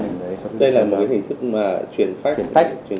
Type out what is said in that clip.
đây là một hình thức chuyển phách